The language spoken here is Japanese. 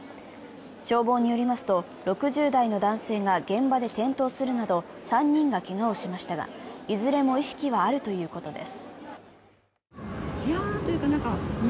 消防によりますと６０代の男性が現場で転倒するなど、３人がけがをしましたが、いずれも意識はあるということです。